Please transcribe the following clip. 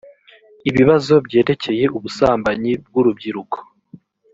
ibibazo byerekeye ubusambanyi bw’urubyiruko